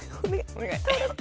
お願い。